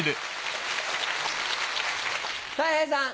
たい平さん。